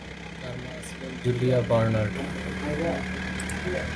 তার মা ছিলেন জুলিয়া বার্নার্ড।